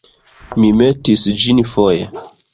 Mi metis ĝin foje.